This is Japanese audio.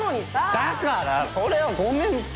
だからそれはごめんって！